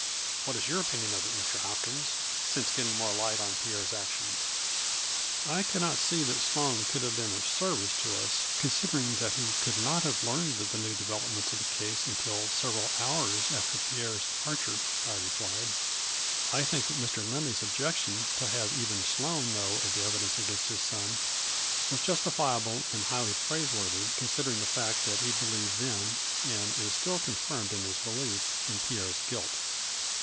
What is your opinion of it, Mr. Hopkins, since getting more light on Pierre's actions ?"" I cannot see that Sloane could have been of service to us, considering that he could not have learned of the new developments in the case until several hours after Pierre's depart A FLUBRY IN DIAMONDS. 147 ure," I replied. " I think that Mr. Lindley's objection to have even Sloane know of the evi dence against his son was justifiable and highly praiseworthy, considering the fact that he be lieved then, and is still confirmed in his belief, in Pierre's guilt."